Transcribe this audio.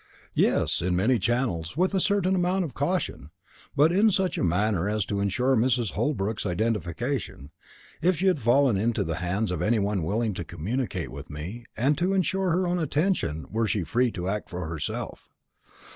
"Yes, in many channels, with a certain amount of caution, but in such a manner as to insure Mrs. Holbrook's identification, if she had fallen into the hands of any one willing to communicate with me, and to insure her own attention, were she free to act for herself."